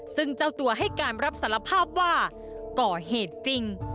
ซึ่งเจ้าตัวให้การรับสารภาพว่าก่อเหตุจริง